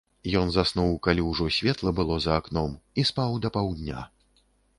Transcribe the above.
Ён заснуў, калі ўжо светла было за акном, і спаў да паўдня.